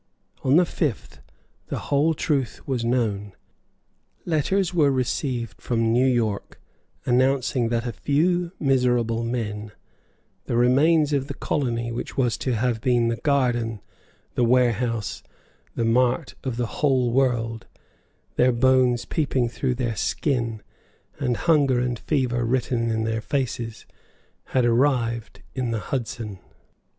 On the fifth the whole truth was known. Letters were received from New York announcing that a few miserable men, the remains of the colony which was to have been the garden, the warehouse, the mart, of the whole world, their bones peeping through their skin, and hunger and fever written in their faces, had arrived in the Hudson.